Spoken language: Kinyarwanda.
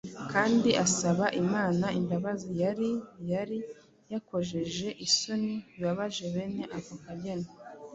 kandi asabe Imana imbabazi yari yari yakojeje isoni bibabaje bene ako kageni.